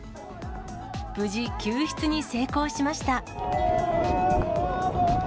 無事、救出に成功しました。